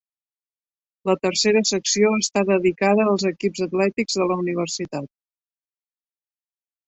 La tercera secció està dedicada als equips atlètics de la universitat.